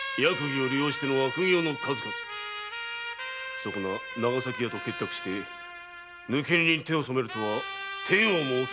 そこな長崎屋と結託して抜け荷に手を染めるとは天をも恐れぬ所業。